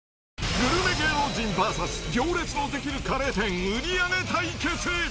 グルメ芸能人ＶＳ行列の出来るカレー店、売り上げ対決。